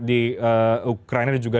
di ukraina dan juga